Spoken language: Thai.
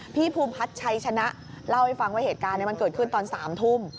พี่ภูมิพัฒน์ชัยชนะเล่าให้ฟังว่าเหตุการณ์นี้มันเกิดขึ้นตอน๓ทุ่ม